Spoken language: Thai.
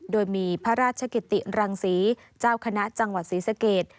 โดยมีพระราชกิติรังศรีเจ้าคณะจังหวัดศรีสเกต